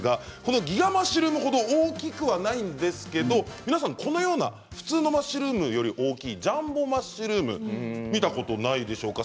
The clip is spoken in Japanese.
このギガマッシュルーム程大きくはないんですけども普通のマッシュルームより大きいジャンボマッシュルーム見たことないでしょうか